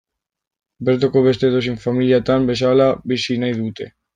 Bertoko beste edozein familiatan bezala bizi nahi dute.